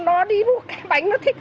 nó đi mua cái bánh nó thích